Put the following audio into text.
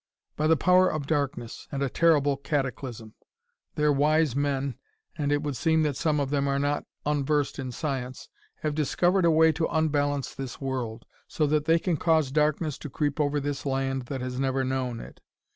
"By the power of darkness and a terrible cataclysm. Their wise men and it would seem that some of them are not unversed in science have discovered a way to unbalance this world, so that they can cause darkness to creep over this land that has never known it.